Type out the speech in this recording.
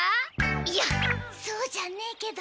いやそうじゃねえけど。